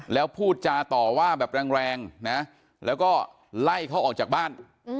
แล้วพูดจาต่อว่าแบบแรงนะแล้วก็ไล่เขาออกจากบ้าน